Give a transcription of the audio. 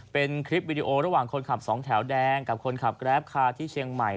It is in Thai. เป็นคลิปวิดีโอระหว่างคนขับสองแถวแดงกับคนขับแกรปคาร์ที่เชียงใหม่